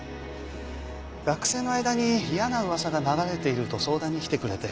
学生の間に嫌な噂が流れていると相談に来てくれて。